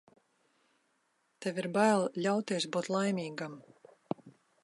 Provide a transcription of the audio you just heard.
Tev ir bail ļauties būt laimīgam.